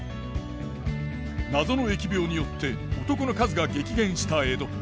謎の疫病によって男の数が激減した江戸。